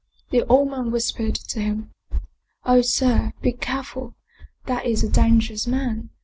The old man whispered to him, " Oh, sir, be care ful! That is a dangerous man.